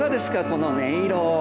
この音色。